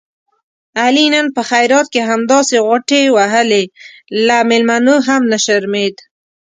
علي نن په خیرات کې همداسې غوټې وهلې، له مېلمنو هم نه شرمېدا.